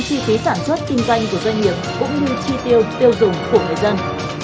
chi phí sản xuất kinh doanh của doanh nghiệp cũng như chi tiêu tiêu dùng của người dân